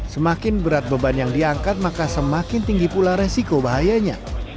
semakin berat beban yang diangkat maka semakin tinggi pula resiko bahayanya